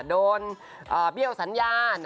เบี้ยวสัญญาณ